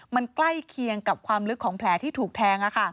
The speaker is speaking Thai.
มันใกล้เคียงกับความลึกของแผลที่ถูกแทง